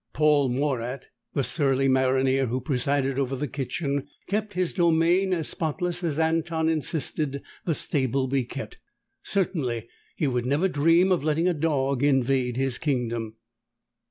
Paul Maurat, the surly maronnier who presided over the kitchen, kept his domain as spotless as Anton insisted the stable be kept. Certainly, he would never dream of letting a dog invade his kingdom.